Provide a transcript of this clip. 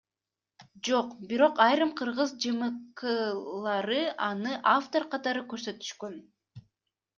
Жок, бирок айрым кыргыз ЖМКлары аны автор катары көрсөтүшкөн.